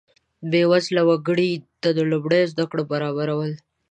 بیوزله وګړو ته د لومړنیو زده کړو برابرول.